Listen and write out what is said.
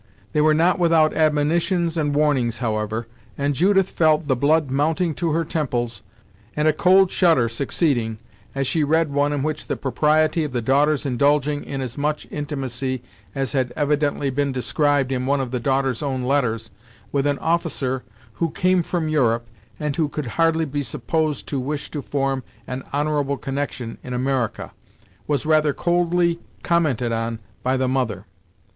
They were not without admonitions and warnings, however, and Judith felt the blood mounting to her temples, and a cold shudder succeeding, as she read one in which the propriety of the daughter's indulging in as much intimacy as had evidently been described in one of the daughter's own letters, with an officer "who came from Europe, and who could hardly be supposed to wish to form an honorable connection in America," was rather coldly commented on by the mother.